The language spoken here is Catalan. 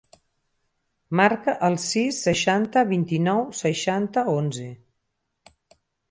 Marca el sis, seixanta, vint-i-nou, seixanta, onze.